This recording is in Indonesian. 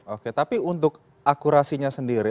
oke tapi untuk akurasinya sendiri